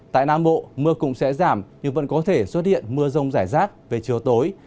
tại nam bộ mưa cũng sẽ giảm nhưng vẫn có thể xuất hiện mưa rông rải rác về chiều tối